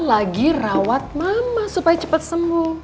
lagi rawat mama supaya cepat sembuh